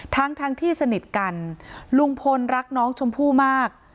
ทั้งทั้งที่สนิทกันลุงพลรักน้องชมพู่มาก